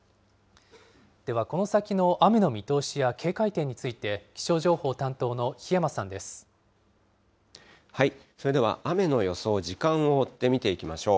ではこの先の雨の見通しや警戒点について、気象情報担当の檜山さそれでは雨の予想、時間を追って見ていきましょう。